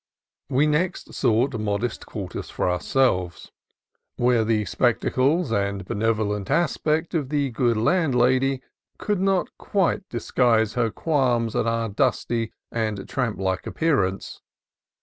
We next sought modest quarters for ourselves, 52 CALIFORNIA COAST TRAILS where the spectacles and benevolent aspect of the good landlady could not quite disguise her qualms at our dusty and tramp like appearance.